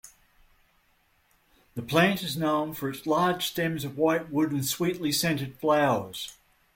The plant is known for its large stems of white wood and sweetly-scented flowers.